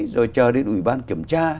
rồi chờ đến ủy ban kiểm tra